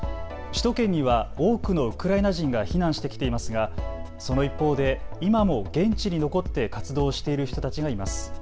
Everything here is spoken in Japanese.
首都圏には多くのウクライナ人が避難してきていますがその一方で今も現地に残って活動をしている人たちがいます。